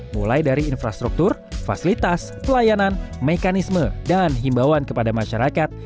mulai dari infrastruktur fasilitas pelayanan mekanisme dan himbauan kepada masyarakat